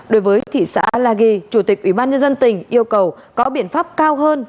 đối với thị xã lagi chủ tịch ủy ban nhân dân tỉnh yêu cầu có biện pháp cao hơn